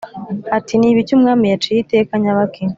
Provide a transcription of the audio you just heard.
ati"nibiki umwami yaciye iteka nyabaki?"